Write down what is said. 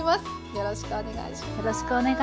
よろしくお願いします。